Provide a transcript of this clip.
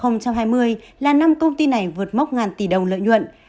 năm hai nghìn hai mươi là năm công ty này vượt mốc ngàn tỷ đồng lợi nhuận